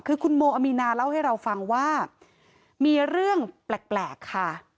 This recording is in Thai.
คือคุณโมอามีนาเล่าให้เราฟังว่ามีเรื่องแปลกค่ะ